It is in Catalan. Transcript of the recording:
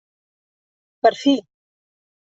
Per fi!